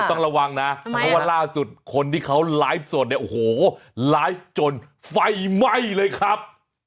ต้องระวังนะเพราะว่าล่าสุดคนที่เขาไลฟ์สดเนี่ยโอ้โหไลฟ์จนไฟไหม้เลยครับ